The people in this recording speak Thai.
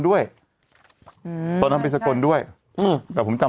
สวัสดีครับคุณผู้ชม